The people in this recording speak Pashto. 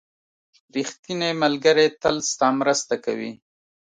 • ریښتینی ملګری تل ستا مرسته کوي.